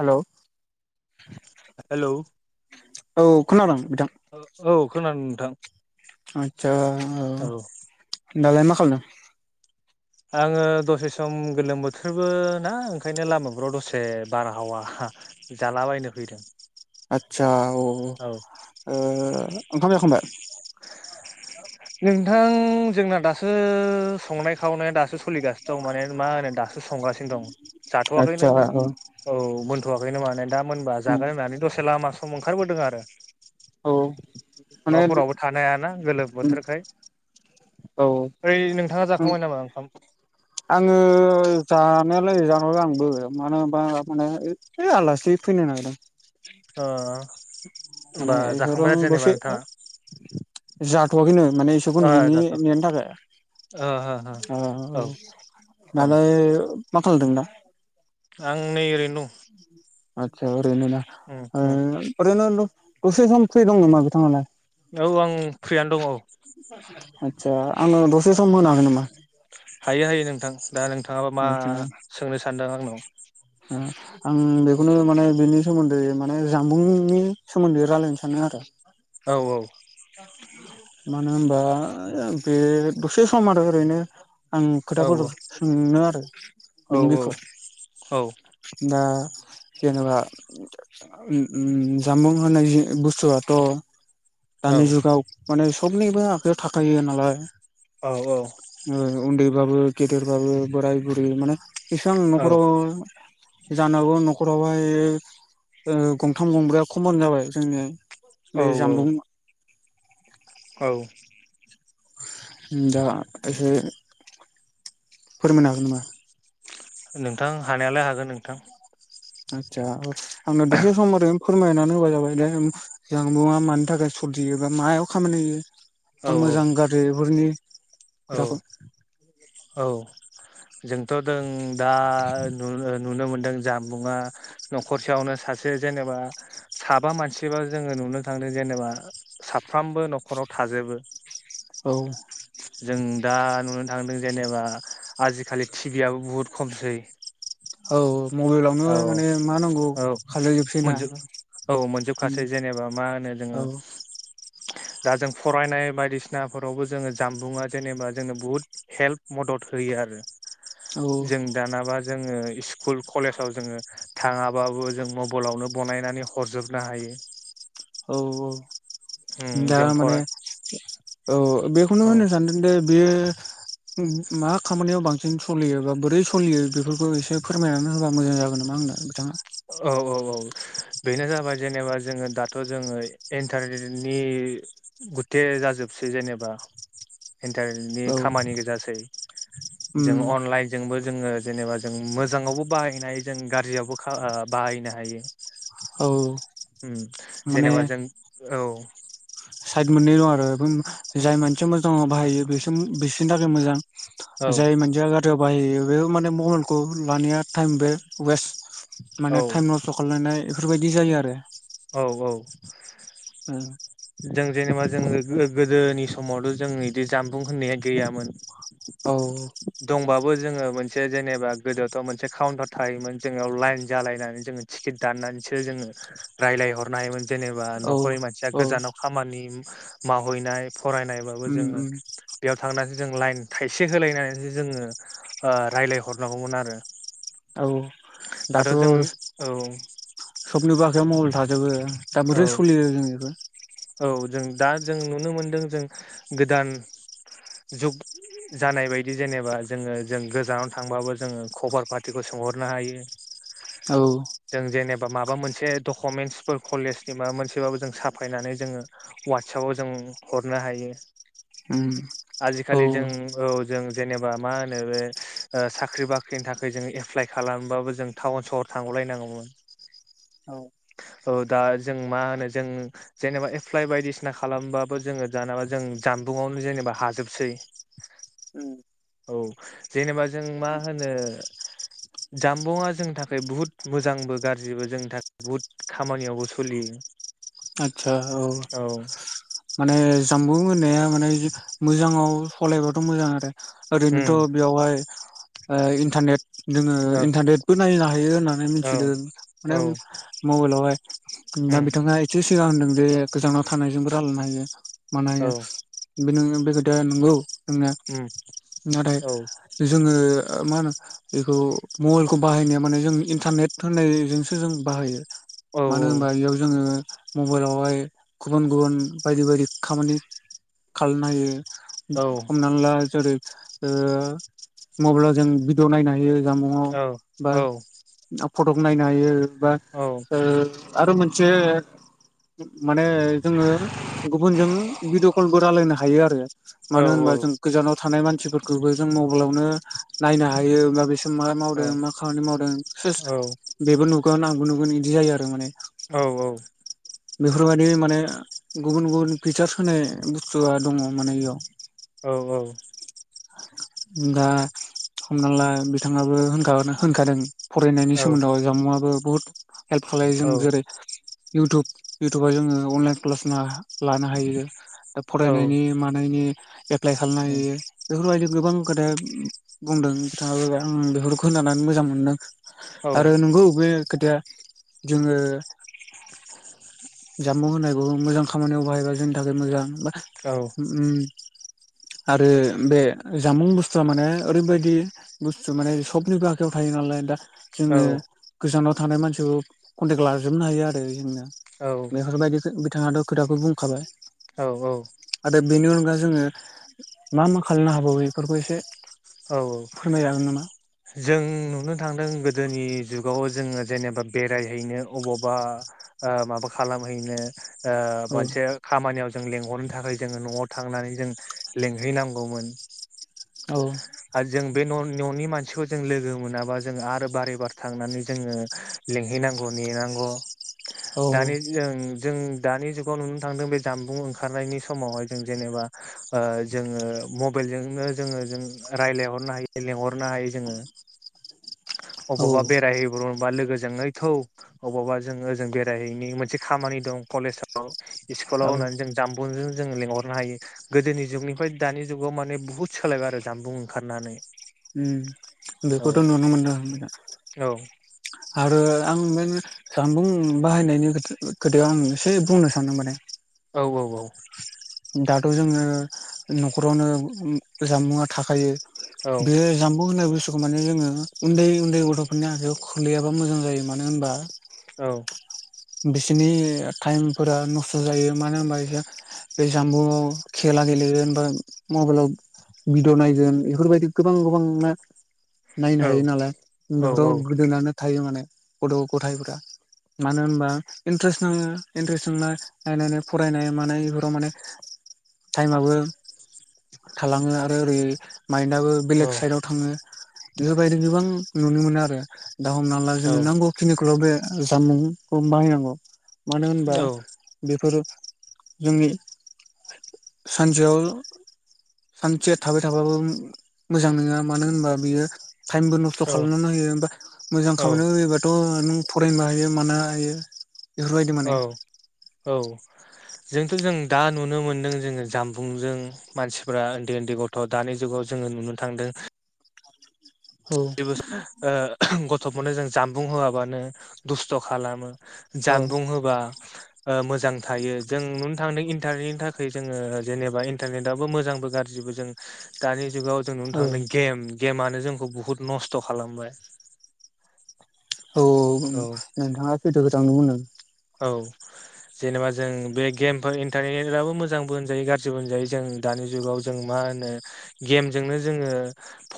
Hello [unintelligible] hello औ खोनादों बिथां खोनानो नोंथां आदसा औ दालाय मा खालामदों? आंङो दसे सम गोलोम बोथोरबो ना ओंखायनो लामाफोराव दसे बारहावा जालाबायनो फैदों आदसा औ ओ ओंखाम जाखांबाय? नोंथां जोंना दासो संनाय खावनाया दासो सोलिगासिनो दं माने मा होनो दासो संगासिनो दं आदसा जाथवाखैनो औ औ मोनथवाखैनो माने दा मोनबा जागोन होननानै दसे लामा सम ओंखारबोदों आरो औ माने नफोरावबो थानाय हायाना गोलोम बोथोरखाय औ ओइ नोंथाङा जाखांबाय नामा ओंखाम आंङो जानो जानरो आंबो मानो होना माने आलासि फैनो नागिरदों ओ माने होमबा इसोर आं जाखांबाय आरो दसे जेनेबा नोंथाङा? जाथवाखैनो माने इसोरखौ ओ नेनि जाथ'वाखै नेनो थाखाय ओ हो हो [inaudible] औ ना औ माने खालामलदोंं दा आं नै ओरैनो'दं आदसा ओरैनो ना ओरैनो दसे सम फ्रि दं नामा बिथांङालाय? औ आं प्रियानो दंऔ आदसा आंङो दसे सम होन हागोन नामा? हायो हायो नोंथां दा नोंथाङाबा मा आदसा सोंनो सानदों आंनाव आं बेखौनो माने बेनि सोमोन्दै माने जामुंनि सोमोन्दै रायलायनो सानो आरो औ औ मानो होनबा बे दसे सम आरो ओरैनो आं औ खोथाफोर सोंनो आरो औ बिनि बिखय औ [inaudible] दा जेनबा जामबुं होन बुस्थुआथ औ दानि जुगाव माने सबनिबो आखायाव थाखायो नालाय औ औ ओ उन्दैबाबो गेदेरबाबो बोराय बुरै माने एसेबां नखराव जानांगौ नखरावहाय ओ गंथाम गंब्रैाया खमन जाबाय जोंनिया औ बे जामबुं औ औ दा एसे फोरमायनो हागोन नामा? नोंथां हानायालाय हागोन नोंथां आतसा ओ आंनो दस सम ओरैनो फोरमायनानै होबाय जाबाय दे जानबुंआ मानि थाखाय सोरजियो बा मायाव खामानि औ होयो मोजां गाज्रि बेफोरनि औ खोथाखौ औ जोंथ जों दा नुनो मोनदों जामबुंङा नखरसेयावनो सा से जेनेबा साबा मानसिबाब जोङो नुनो थांदों जेनेबा साफ्रामबो नखराव था थाजोबो औ जों दा नुनो थांदों जेनेबा आजिखालि टिभि आबो बुहुद खमसै औ मबाइलावनो औ माने मा नांगौ औ खालायजोबसै ना मोनजोब औ मोनजोबखासै जेनेबा मा होनो औ जोङो दा जों फरायनाय बायदिसिनाफोरावबो जोङो जामबुंङा जेनेबा जोंनो बुहुत हेल्प मदद होयो आरो औ जों दानाबा जोङो स्कुल कलेजाव जोङो थाङाबाबो जों मबाइलावनो बनायनानै हरजोबनो हायो औ औ उम दा जों माने फरा औ बेखौनो औ होनो सानदों दे बेयो मा खामानियाव बांसिन सलियो बा बोरै सलियो बेफोरखौ एसे फोरमायनानै होबा मोजां जागोन नामा आंनो बिथाङा औ औ औ बेनो जाबाय जेनेबा जोङो दाथ' जोङो इन्टारनेटनि गुथे जाजोबसै जेनेबा [inaudible] इन्टारनेटनि औ खामानि गोजासै उम जों अनलाइनजोंबो जोङो जेनेबा जों मोजाङावबो बाहायनाय जों गाज्रियावबो खा ओ बाहायनो हायो औ माने जेनेबा जों औ साइद मोननै दं आरो जाय मानसिया मोजां बाहायो बेसो बिसोरनि थाखाय औ मोजां जाय मानसिया गाज्रियाव बाहायो बे माने मबाइलखौ लानाया टाइम वेस्ट औ माने टाइम नस्थ' खालामलायनाय बेफोरबायदि जायो आरो औ औ जों जेनेबा जों गोदोनि समावथ' जों बिदि जामबुं होननाया गैयामोन औ दंबाबो जोङो मोनसे जेनेबा गोदोआवथ' मोनसे काउन्टार थायोमोन जोंनियाव लाइन जालायनानै जोङो टिकेट दान नानै जोङो रायलायहरनो हायोमोन जेनेबा औ न'खरनि मानसिया औ गोजानाव खामानि मावहैनाय फरायनायबाबो उम जोङो उम बेयाव थांनानै जों लाइन थाइसे होलायनानैसो जोङो रायजलायहरनांगौमोन आरो औ दाथ' औ सबनिबो आखायाव मबाइल थाजोबो दा औ बोरै सोलियो जों बेखो औ जों दा जों नुनो मोनदों जों गोदान जुग जानाय बायदि जेनेबा जोङो जों गोजानाव थांबाबो जोङो खबर पातिखौ सोंहरनो हायो औ जों जेनेबा माबा मोनसे दकुमेन्टस कलेजनि माबा मोनसेबाबो जों साफायनानै जोङो वाटस एपाव जों हरनो हायो उम आजिखालि जों औ जों जेनेबा मा होनो बे साख्रि बाख्रिनि थाखाय जों एप्लाय खालामबाबो जों टाउन सहर थांनो सलायनांगौमोन औ औ दा जों मा होनो जों जेनेबा एप्लाइ बायदिसिना खालामबाबो जोङो [inaudible] बा जों जाम खानन्दुङावनो जेनेबा हाजोबसै [inaudible] औ जेनेबा जों मा होनो जामबुंआ जोंनि थाखाय बुहुत मोजांबो गाज्रिबो जोंनि थाखाय बुहुद खामानियावबो सोलियो आतसा औ माने जानबुं होननायाद माने मोजाङाव सलायबाथ' मोजां आरो ओरैनोथ' उम बेयावहाय इन्टारनेट जोङो औ इन्टारनेटबो नायनो हायो होननानै औ मिथिदों माने औ मबाइलावहाय दा उम बिथाङा एसे सिगां होनदों जे गोजानाव थानायजोंबो लायनो हायो मानो औ बेनो बेखोथाया नंगौ जोंनि उम नाथाय औ जोङो मा होनो बेखौ मबाइलखौ बाहायनाया माने जों इन्टारनेट होननायजोंसो जों बाहायो औ मानो होनबा इयाव जोङो मबाइलावहाय गुबुन गुबुन बायदि बायदि खामानि खालायनो हायो। औ हमनानै ला जेरै ओ मबाइलाव जों भिडिअ' नायनो हायो जानबुंआव बा औ फथख नायनो हयो बा ओ आरो मो से माने जोङो गुबुनजों भिडअ' कलबो रालायनो हायो आरो औ मानो होनबा जों गोजानाव थानाय मानसिफोरखौबो जों मबाइलावनो नायनो हायो होमबाबो माबे समाव मा मावदों मा खामानि मावदों सेस बेबो नु गोन आंबो नुगोन इदि जायो आरो माने। औ औ। बेफोरबायदि माने गुबुन गुबुन फिचार्स होनाय बुस्थुआ दङ माने इयाव। औ औ। दा हमना ला बिथाङाबो होनखा नो होनखादों फरायनायनि सोमोन्दोआव जानबुङाबो बहुत हेल्प खालायो जों जेरै इउटुब इउटुबाव जोङो अनलाइन क्लास लानो हायो दा फरायनायनि मानायनि एप्लाइ खालायनो हायो। बेबादि गोबां खोथा बुंदों बिथाङाबो आं बेफोरखौ खोनानानै मोजां मोनदों। आरो नंगौ बेे खोथाया जोङो जानबुं होनायखौ मोजां खामानियाव बाहायबा जोंनि थाखाय मोजां बा औ। उम आरो बे जामुं बुस्थुआ माने ओरैबायदि बुस्थु माने सबनिबो आखायाव थायो नालाय दा औ जोङो गोजानाव थानाय मानसिखौ कन्टेक लाजोबनो हायो आरो जोंनो औ औ बेफोरबायदि खो बिथाङाथ' खोथाखौ बुंखाबाय। औ औ। दा जोङो मा मा खालामनो हाबावो इफोरखौ एसे औ फोरमायजागोन नामा? जों नुनो थांदों गोदोनि जुगाव जोङो जेनेबा बेरायहैनो अबावबा ओ माबा खालामहैनो ओ औ मोनसे खामानियाव जों लेंहरनो थाखाय जोङो न'आव थांनानै जों लेंहैनांगौमोन औ आर जों बे न' न'नि मान सिखौ जों लोगो मोनाबा जों आरो बारे बार थांनानै जोङो लेंहैनांगौ नेनांगौ औ दानि जों जों दानि जुगाव नुनो थांदों बे जानबुं ओंखारनायनि समावहाय जों जेनेबा ओ जोङो मबेइल जोंनो जोङो जों रायलायहरनो हायो लेंहरनो हायो जोङो। औ अबावबा बेरायहैब्रबा लोगो जोंङै थौ अबावबा जोङो ओजों बेरायहैनि मोनसे खामानि दं कलेजाव इस्कुलाव औ होननानै जों जानबुंजों जों लिंहरनो हायो गोदोनि जुगनिफ्राय दानि जुगाव माने बुहुत सोलायबाय आरो जानबुं ओंखारनानै उम औ बेख'थ' नुनो मोनदों औ [unintelligible] आरो आं मोनो जानबुं बाहायनायनि खोथा खोथायाव आं एसे बुंनो सान्दों माने औ औ औ। दाथ' जोङो न'खरावनो जानबुंआ थाखायो औ ‌ बे जानबु होननाय बुस थुखौ माने जोङो उन्दै उन्दै गथ'फोरनि आखाइयाव खोलैयाबा मोजां जायो मानो होनबा औ। बिसोरनि टाइमफोरा नस्थ' जायो मानो होनबा इसोर बे जाम्बुआव खेला गेलेयो होमबा मबाइलाव भिडिय' नायगोन इफोरबायदि गोबां गोबां ना नायनो औ हायो नालाय बेफोराव गोदोननानै थायो माने गथ' गथायाइफ्रा। मानो होनबा इन्टारेस्ट नाङो, इन्ट्रेस्ट नांना नायनानै फरायनाय मानाय बे खौ माने टाइमाबो थालाङो आरो ओरै माइन्दआबो औ बेलेग साइदाव थाङो। बेफोरबायदि गोबां नुनो मोनो आरो दा हमना ला जोङो नांगौ खिनिखौल' बे जामबुंखौ बाहायनांगौ। मानो होनबा बेफोर जोंनि सानसेयाव सानसेया थाबाय थाबाबो मोजां नङा मानो होनबा बियो टाइमबो नस्थ' खालामनानै होयो बा मोजां औ खामानियाव होयोबाथ' नों फरायनोबो हायो मानो हायो। बेफोरबायदि औ माने औ जोंथ' जों दा नुनो मोन्दों जोङो जामबुंजों मानसिफ्रा उन्दै उन्दै गथ' दानि जुगाव जों नुनो थांदों औ जेबो ओ गथ'फोरनो जों जानबुं होआबानो दुस्थ' खालामो औ जानबुं होबा मोजां थायो। जों नुनो थांदों इन्टारनेटनि थाखाय जोङो जेनेबा इन्टारनेटआबो मोजांबो गाज्रि जों दानि जुगाव जों नुनो औ थांदों गेम, गेमआनो जोंखौ बहुत नस्थ' खालामबाय औ औ नोंथाङा [unintelligible] थांदोंमोन आ औ जेनेबा जों बे गेम इन्टारनेटाबो मोजांबो होनजायो गाज्रिबो होनजायो जों दानि जुगाव जों मा मा होनो गेमजोंनो जोङो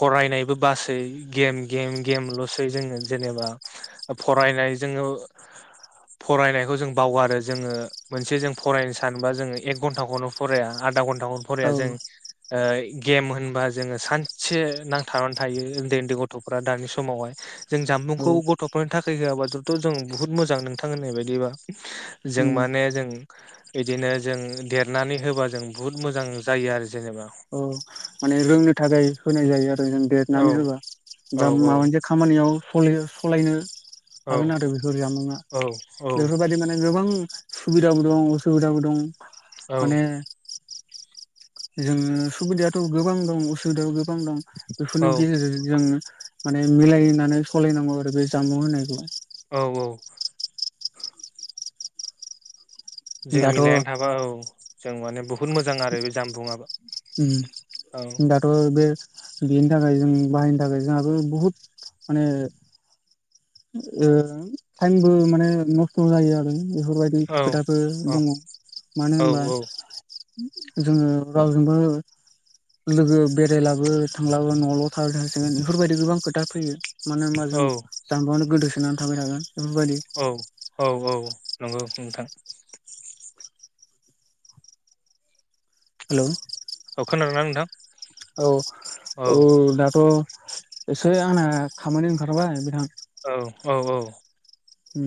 फरायनायबो बासै गेम गेम गेमल' सै जोङो जेनेबा फरायनाय जोङो [inaudible] फरायनायखौ जों बावगारो जोङो मोनसे जों फरायनो सानोबा जोङो एक घन्टाखौनो फराया आर आदा घन्टाखौनो औ फराया जों ओ गेम होन बा जोङो सानसे नांथाबानानै थायो उन्दै उन्दै गथ'फोरा दानि समावहाय जों औ जामबुंखौ गथ'फोरनि थाखाय होआब्ला जथ' जों बुहुत मोजां नोंथां होननाय बायदिबा जों उम माने जों बिदिनो जों देरनानै होबा जों बुहुत मोजां जायो आरो। जेनेबा औ माने रोंनो थाखाय होनाय जायो आरो जों औ देरनानै होबा औ दा माबा औ मोनसे खामानियाव सलिनो सलायनो औ हागोन आरो बेफोर जामुङा औ औ बेफोरबायदि माने गोबां सुबिदाबो दं असुबिदाबो दं औ माने जोङो सुबिदायाथ' गोबां दं, असुबिदाबो गोबां दं बेफोरनि औ गेजेरजों जों माने मिलायनानै सलायनांगौ आरो बे जानबुं होनायखौ औ औ। जों दाथ' मिलायनानै थाबा औ जों माने बुहु द मोजां आरो बे जामबुंआबो। उम औ दाथ' बे बेनि थाखाय जों बाहायनो थाखाय जोंहाबो बहुद माने ओ टाइमबो माने नस्थ' जायो आरो बेफोरबायदि औ खोथाफोर औ दङ मानो औ होनबा जोङो रावजोंबो लोगो बेरायलाबो थांलाबो न'ल' थाबाय थासिगोन बेफोरबायदि गोबां खोथा फैयो मानो होनबा जों जानबुङावनो गोदोसोनानै थाबाय थागोन। बेफोरबायदि औ औ औ नंगौ नोंथां। हेल'। अ खोनादोंना नोंथां? औ औ दाथ' एसे आंना खामानि ओंखारबाय बिथां औ औ औ ओम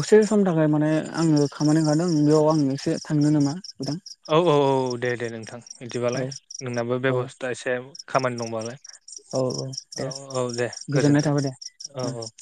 दसे समनि थाखाय माने आङो खामानि ओंखारदों बेयाव आं एसे थांनो नामा? बिथां औ औ औ दे दे नोंथां औ बिदिबालाय नोंनाबो औ बेबस्था एसे खामानि दंबालाय औ दे औ औ दे गोजोननाय गोजोन्थों थाबाय दे औ ओ औ।